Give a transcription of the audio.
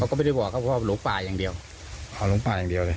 ก็ไม่ได้บอกครับว่าหลงป่าอย่างเดียวเขาหลงป่าอย่างเดียวเลย